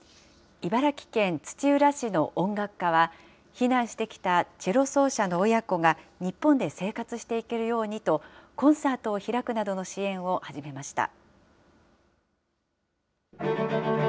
茨城県土浦市の音楽家は、避難してきたチェロ奏者の親子が日本で生活していけるようにと、コンサートを開くなどの支援を始めました。